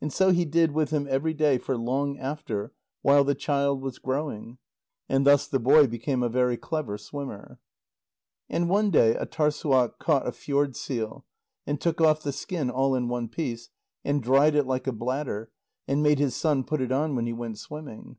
And so he did with him every day for long after, while the child was growing. And thus the boy became a very clever swimmer. And one day Âtârssuaq caught a fjord seal, and took off the skin all in one piece, and dried it like a bladder, and made his son put it on when he went swimming.